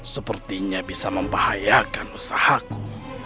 sepertinya bisa membahayakan usahaku